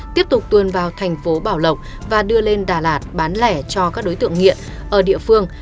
tiếp tục tuôn vào thành phố bảo lộc và đưa lên đà lạt bán lẻ cho các đối tượng nghiện ở địa phương